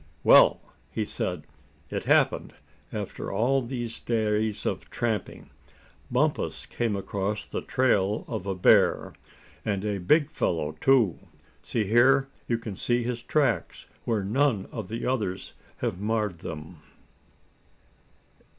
"Well," he said, "it happened, after all these days of tramping. Bumpus came across the trail of a bear, and a big fellow too. See here, you can see his tracks, where none of the others have marred them."